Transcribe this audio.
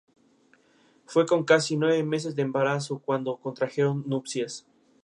Fue con casi nueve meses de embarazo cuando contrajeron nupcias.